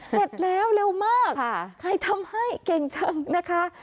เสร็จแล้วเร็วมากใครทำให้เก่งจังนะคะ